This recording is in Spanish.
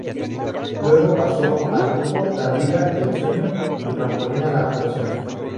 Luego pasó al grupo La Liga del Sueño, su trampolín a la actuación.